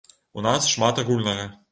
У нас шмат агульнага.